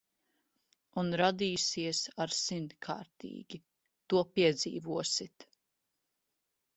Un radīsies ar simtkārtīgi. To piedzīvosit.